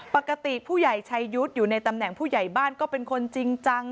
ปกติผู้ใหญ่ชัยยุทธ์อยู่ในตำแหน่งผู้ใหญ่บ้านก็เป็นคนจริงจัง